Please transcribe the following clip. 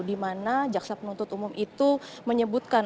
di mana jaksa penuntut umum itu menyebutkan